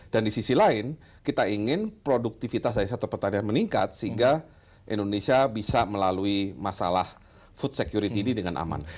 dan di sisi lain kita ingin produktivitas dari sektor pertanian meningkat sehingga indonesia bisa melalui masalah food security ini dengan aman